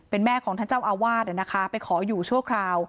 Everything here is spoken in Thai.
เป็นแม่ของท่านเจ้าอาวาสไปขออยู่ชั่วคราว